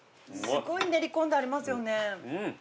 すごい練り込んでありますよね。